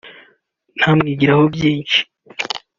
namwigiraho byinshi”